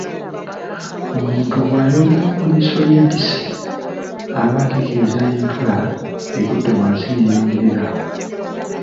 Omuntu bw’ayogera ku liiso ly’empisi aba ategeeza entula egudde wansi neyengerera awo.